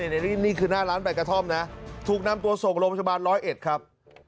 นี่คือหน้าร้านใบกระท่อมนะถูกนำตัวส่งโรงประชาบาน๑๐๑ครับ